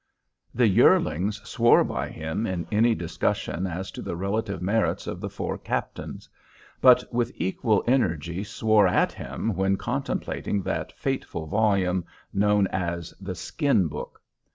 The "yearlings" swore by him in any discussion as to the relative merits of the four captains; but with equal energy swore at him when contemplating that fateful volume known as "the skin book."